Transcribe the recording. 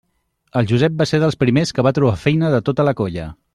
El Josep va ser dels primers que va trobar feina de tota la colla.